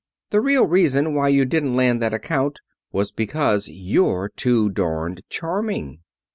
The real reason why you didn't land that account was because you're too darned charming."